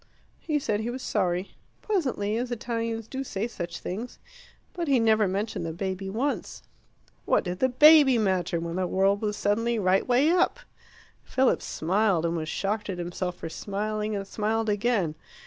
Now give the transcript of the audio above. "He said he was sorry pleasantly, as Italians do say such things. But he never mentioned the baby once." What did the baby matter when the world was suddenly right way up? Philip smiled, and was shocked at himself for smiling, and smiled again.